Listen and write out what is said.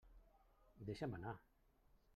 Deixa'm anar!